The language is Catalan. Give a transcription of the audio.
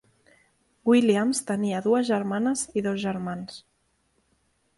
Williams tenia dues germanes i dos germans.